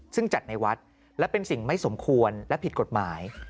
ซึ่งจัดในวัดและเป็นสิ่งไม่สมควรและผิดกฎหมาย